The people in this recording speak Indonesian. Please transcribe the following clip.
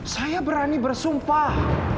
saya berani bersumpah